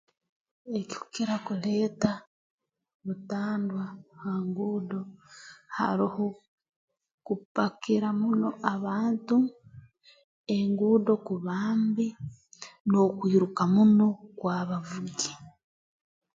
Ekikukira kuleeta butandwa ha nguudo haroho kupakira muno abantu enguudo kuba mbi n'okwiruka muno kw'abavugi